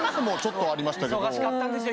忙しかったんですよ